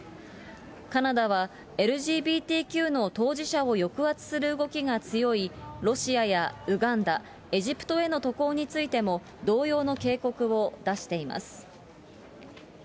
カナダはＬＧＢＴＱの当事者を抑圧する動きが強いロシアやウガンダ、エジプトへの渡航についても、同様の警告を出しています。